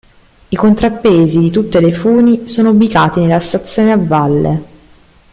I contrappesi di tutte le funi sono ubicati nella stazione a valle.